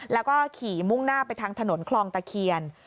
แล้วก็ขี่มุ่งหน้าไปทางถนนคลองตะเคียน